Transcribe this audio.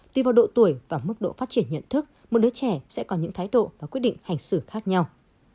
tùy vào độ tuổi và mức độ phát triển nhận thức một đứa trẻ sẽ có những thái độ và quyết định hành xử khác nhau